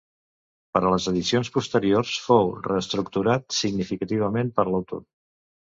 Per a les edicions posteriors fou reestructurat significativament per l'autor.